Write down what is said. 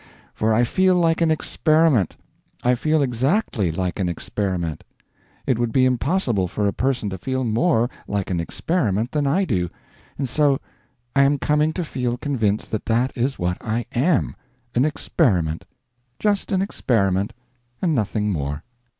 For I feel like an experiment, I feel exactly like an experiment; it would be impossible for a person to feel more like an experiment than I do, and so I am coming to feel convinced that that is what I am an experiment; just an experiment, and nothing more.